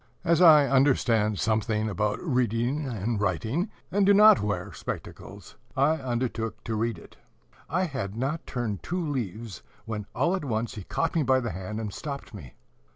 As I understand something about reading and writing, and do not wear spectacles, I undertook to read it. I had not turned two leaves, when all at once he caught me by the hand, and stopped me.